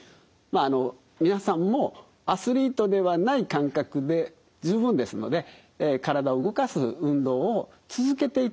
あの皆さんもアスリートではない感覚で十分ですので体を動かす運動を続けていただきたいと。